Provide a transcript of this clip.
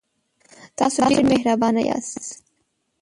تاسو ډیر مهربانه یاست.